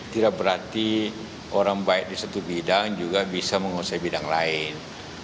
tidak berarti orang baik di satu bidang juga bisa menguasai bidang lain